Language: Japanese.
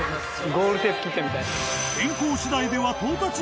ゴールテープ切ったみたい。